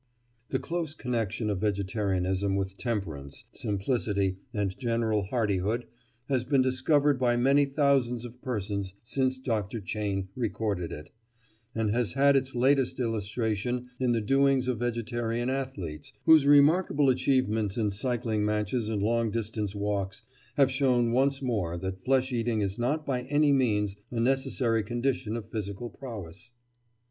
The close connection of vegetarianism with temperance, simplicity, and general hardihood has been discovered by many thousands of persons since Dr. Cheyne recorded it, and has had its latest illustration in the doings of vegetarian athletes, whose remarkable achievements in cycling matches and long distance walks have shown once more that flesh eating is not by any means a necessary condition of physical prowess.